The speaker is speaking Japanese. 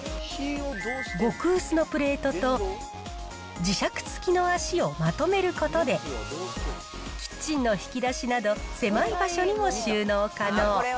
極薄のプレートと磁石付きの脚をまとめることで、キッチンの引き出しなど、狭い場所にも収納可能。